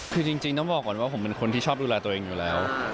คือจริงต้องบอกก่อนว่าผมเป็นคนที่ชอบดูแลตัวเองอยู่แล้ว